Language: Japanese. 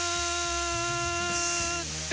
って